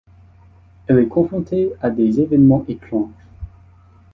Elle est confrontée à des évènements étranges.